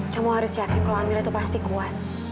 kamu harus yakin kalau amir itu pasti kuat